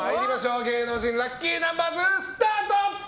芸能人ラッキーナンバーズスタート！